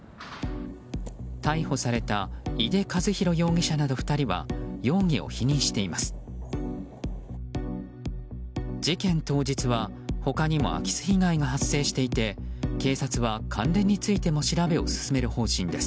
逮捕された井手容疑者など２人は容疑を否認しています。